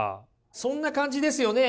そんな感じですよね。